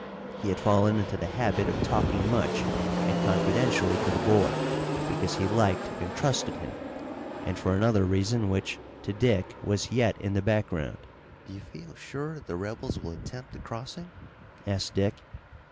He had fallen into the habit of talking much and confidentially to the boy, because he liked and trusted him, and for another reason which to Dick was yet in the background. "Do you feel sure that the rebels will attempt the crossing?" asked Dick.